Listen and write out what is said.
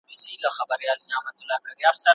اسلامي نظام د ټولو لپاره برابري غواړي.